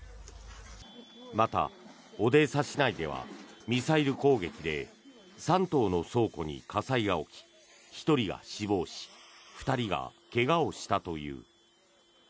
また、オデーサ市内ではミサイル攻撃で３棟の倉庫に火災が起き１人が死亡し２人が怪我をしたという。